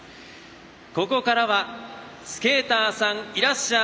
ここからは「スケーターさんいらっしゃい」